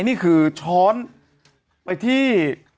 นี่คือช้อนไปที่